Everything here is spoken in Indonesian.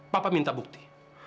papa minta bukti